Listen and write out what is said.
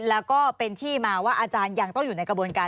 แล้วก็เป็นที่มาว่าอาจารย์ยังต้องอยู่ในกระบวนการ